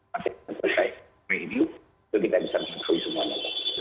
masih mencari video jadi kita bisa mencari semuanya